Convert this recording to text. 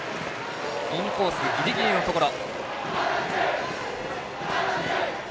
インコースギリギリのところ。